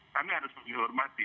kami harus menghormati